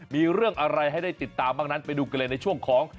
มีเรื่องอะไรให้ได้ติดตามบ้างนั้นไปดูกันเลยในช่วงของ